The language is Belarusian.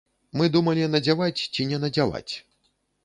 Мы думалі, надзяваць ці не надзяваць.